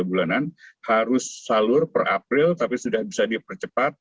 tiga bulanan harus salur per april tapi sudah bisa dipercepat